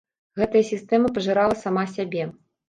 Гэтая сістэма пажырала сама сябе.